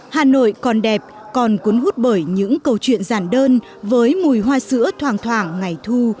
hà nội còn đẹp còn cuốn hút bởi những câu chuyện giản đơn với mùi hoa sữa thoảng thoảng ngày thu